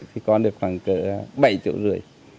thì con được khoảng bảy triệu rưỡi